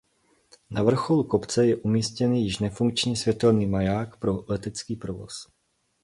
Na vrcholu kopce je umístěn již nefunkční světelný maják pro letecký provoz.